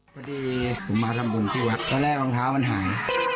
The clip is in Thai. พอดีผมมาทำบุญที่วัดตอนแรกรองเท้ามันหาย